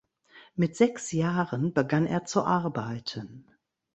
Mit sechs Jahren begann er zu arbeiten.